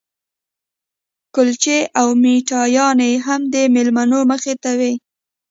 کلچې او میټایانې هم د مېلمنو مخې ته وې.